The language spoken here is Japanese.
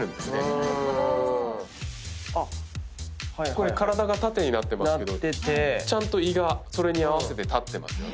これ体が縦になってますけどちゃんと胃がそれに合わせて立ってますよね。